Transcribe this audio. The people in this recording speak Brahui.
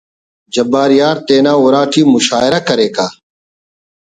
جبار یار تینا اُراٹی مشاعرہ کریکہ